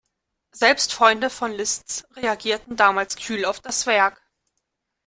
Selbst Freunde von Liszt reagierten damals kühl auf das Werk.